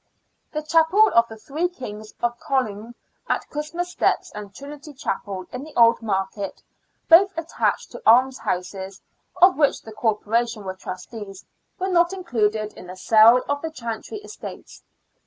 The Chapel of the Three Kings of Cologne at Christmas Steps and Trinity Chapel in the Old Market, both attached to almshouses, of which the Corporation were trustees, were not included in the sale of the chantry estates.